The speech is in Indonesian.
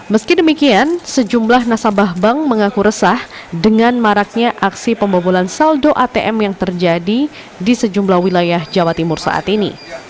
meski demikian sejumlah nasabah bank mengaku resah dengan maraknya aksi pembobolan saldo atm yang terjadi di sejumlah wilayah jawa timur saat ini